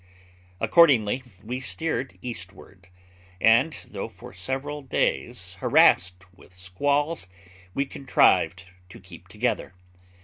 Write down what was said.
Accordingly we steered eastward, and though for several days harassed with squalls, we contrived to keep together.